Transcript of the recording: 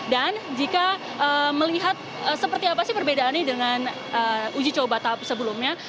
dan jika melihat seperti apa sih perbedaannya dengan uji coba sebelumnya